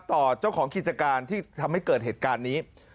ต่อเจ้าของกิจการที่ทำให้เกิดเหตุการณ์นี้